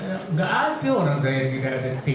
enggak ada orang saya yang tidak ada tim